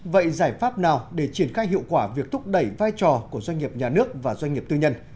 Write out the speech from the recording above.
vậy giải pháp nào để triển khai hiệu quả việc thúc đẩy vai trò của doanh nghiệp nhà nước và doanh nghiệp tư nhân